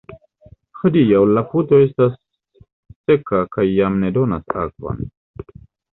Hodiaŭ la puto estas seka kaj jam ne donas akvon.